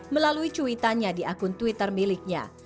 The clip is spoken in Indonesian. melalui cuitannya di akun twitter miliknya